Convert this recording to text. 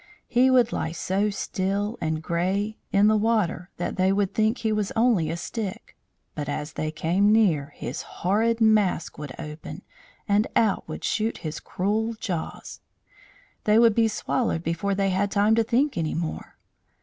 He would lie so still and grey in the water that they would think he was only a stick, but as they came near his horrid mask would open, and out would shoot his cruel jaws; they would be swallowed before they had time to think any more.